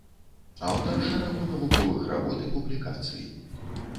Аўтар шэрагу навуковых работ і публікацый.